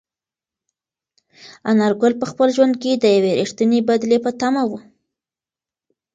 انارګل په خپل ژوند کې د یوې رښتینې بدلې په تمه و.